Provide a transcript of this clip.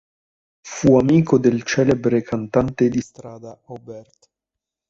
Fu amico del celebre cantante di strada "Aubert".